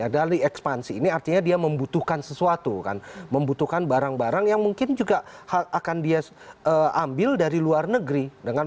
dari ekspansi ini artinya dia membutuhkan sesuatu membutuhkan barang barang yang mungkin juga akan dia ambil dari luar negeri